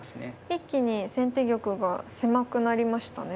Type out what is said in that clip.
一気に先手玉が狭くなりましたね。